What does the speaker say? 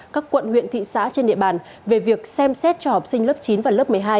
các quận huyện thị xã trên địa bàn về việc xem xét cho học sinh lớp chín và lớp một mươi hai